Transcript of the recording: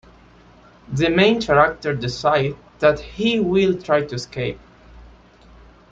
The main character decides that he will try to escape.